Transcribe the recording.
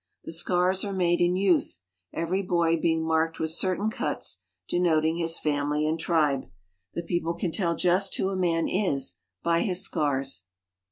The scars are made in youth, every boy being marked with certain I cuts denoting his family and tribe. The people can tell ist who a man is by his scars.